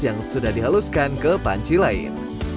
yang sudah dihaluskan ke panci lain